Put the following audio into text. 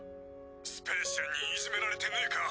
スペーシアンにいじめられてねぇか？